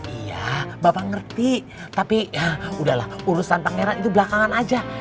iya bapak ngerti tapi ya udahlah urusan pangeran itu belakangan aja